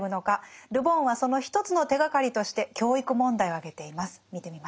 ル・ボンはその一つの手がかりとして教育問題を挙げています。